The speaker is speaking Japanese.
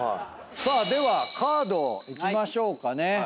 ではカードいきましょうかね。